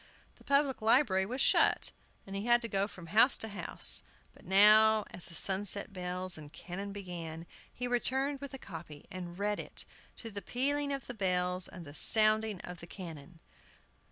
The public library was shut, and he had to go from house to house; but now, as the sunset bells and cannon began, he returned with a copy, and read it, to the pealing of the bells and sounding of the cannon.